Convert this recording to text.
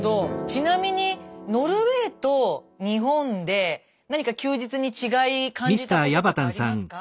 ちなみにノルウェーと日本で何か休日に違い感じたこととかありますか？